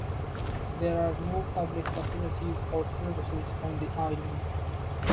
There are no public facilities or services on the island.